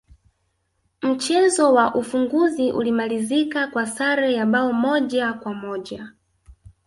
mchezo wa ufunguzi ulimalizika kwa sare ya bao moja kwa moja